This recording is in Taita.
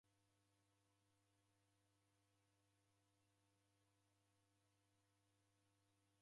Naw'ashoma na niandike chuonyi.